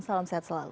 salam sehat selalu